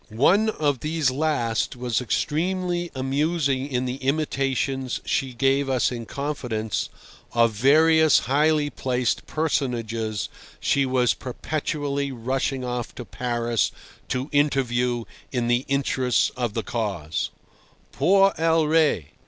One of these last was extremely amusing in the imitations, she gave us in confidence, of various highly placed personages she was perpetually rushing off to Paris to interview in the interests of the cause—Por el Rey!